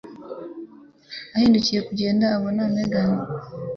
Yahindukiye kugenda, abona Megan.